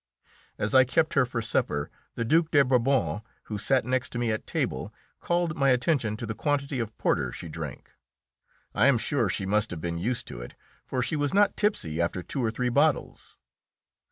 As I kept her for supper, the Duke de Bourbon, who sat next to me at table, called my attention to the quantity of porter she drank. I am sure she must have been used to it, for she was not tipsy after two or three bottles.